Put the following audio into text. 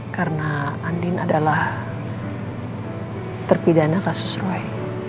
karena andin adalah terpidana kasus roy